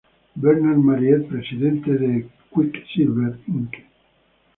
Bernard Mariette, presidente de Quiksilver, Inc.